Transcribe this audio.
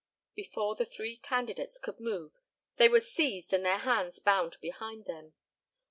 Before the three candidates could move they were seized and their hands bound behind them.